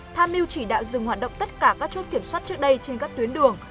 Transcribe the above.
tham mưu chỉ đạo dừng hoạt động tất cả các chốt kiểm soát trước đây trên các tuyến đường